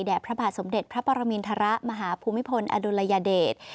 พระบาทสมเด็จพระปรมินทรมาหาภูมิพลอดุลยเดช